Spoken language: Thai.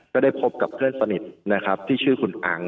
ก็ได้พบกับเพื่อนสนิทนะครับที่ชื่อคุณอัง